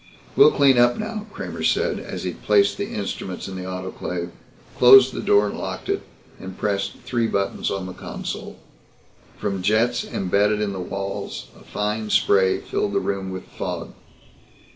"We'll clean up now," Kramer said as he placed the instruments in the autoclave, closed the door and locked it, and pressed three buttons on the console. From jets embedded in the walls a fine spray filled the room with fog.